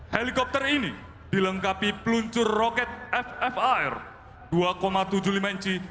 helikopter ini dilengkapi peluncur roket ffar dua tujuh puluh lima inci